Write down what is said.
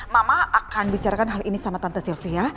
mama akan bicarakan hal ini sama tante sylvia